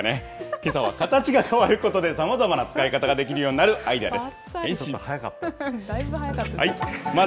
けさは形が変わることで、さまざまな使い方ができるようになるアイデアです。